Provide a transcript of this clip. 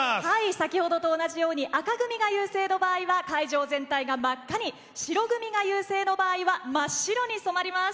先ほどと同じように紅組が優勢の場合は会場全体が真っ赤に白組が優勢の場合は真っ白に染まります。